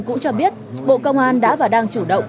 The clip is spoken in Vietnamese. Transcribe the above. cũng cho biết bộ công an đã và đang chủ động